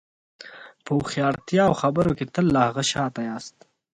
په هوښیارتیا او خبرو کې تل له هغه شاته یاست.